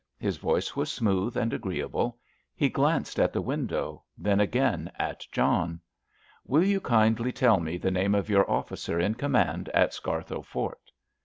His voice was smooth and agreeable. He glanced at the window, then again at John. "Will you kindly tell me the name of your officer in command at Scarthoe Fort?"